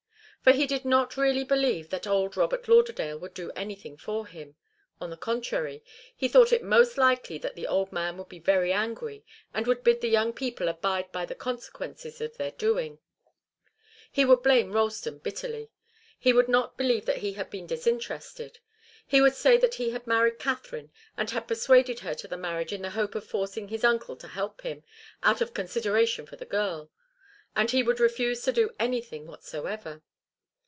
For he did not really believe that old Robert Lauderdale would do anything for him. On the contrary, he thought it most likely that the old man would be very angry and would bid the young people abide by the consequences of their doings. He would blame Ralston bitterly. He would not believe that he had been disinterested. He would say that he had married Katharine, and had persuaded her to the marriage in the hope of forcing his uncle to help him, out of consideration for the girl. And he would refuse to do anything whatsoever.